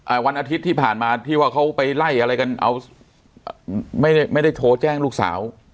วันอาทิตย์ที่ผ่านมาที่ว่าเขาไปไล่อะไรกันเอาไม่ได้ไม่ได้โทรแจ้งลูกสาว